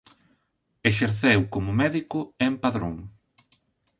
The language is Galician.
Exerceu como médico en Padrón.